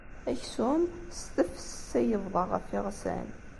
Aksum s tefses ay yebḍa ɣef yiɣsan.